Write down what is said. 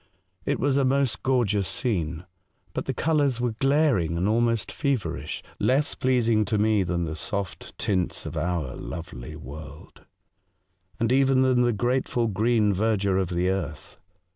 It was a most gorgeous scene, but the colours were glaring and almost feverish — less pleasing to me far than the soft tints of our lovely world, and even than the grateful green verdure of the earth.